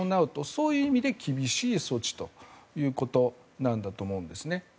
そういう意味で厳しい措置ということなんだと思うんです。